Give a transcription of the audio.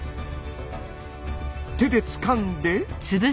手でつかんで。